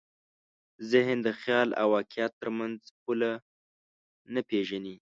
ذهن د خیال او واقعیت تر منځ پوله نه پېژني.